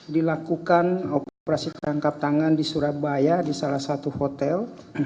dilakukan operasi tangkap tangan di surabaya di salah satu hotel